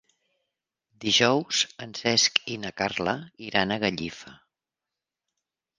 Dijous en Cesc i na Carla iran a Gallifa.